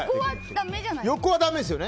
横はだめですよね。